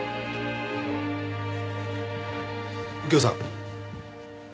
右京さん。